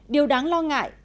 điều đáng lo ngại